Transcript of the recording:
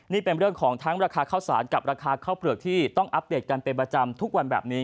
นี่เป็นเรื่องของทั้งราคาข้าวสารกับราคาข้าวเปลือกที่ต้องอัปเดตกันเป็นประจำทุกวันแบบนี้